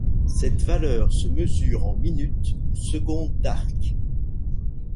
Cette valeur se mesure en minutes ou secondes d'arc.